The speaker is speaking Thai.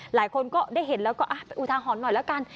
หลายคนก็ได้เห็นแล้วก็เป็นอุทาหรณ์หน่อยแล้วกัน